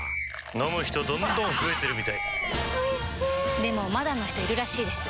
飲む人どんどん増えてるみたいおいしでもまだの人いるらしいですよ